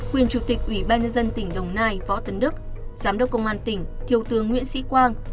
quyền chủ tịch ủy ban nhân dân tỉnh đồng nai võ tấn đức giám đốc công an tỉnh thiếu tướng nguyễn sĩ quang